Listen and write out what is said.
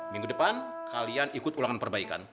minggu depan kalian ikut ulangan perbaikan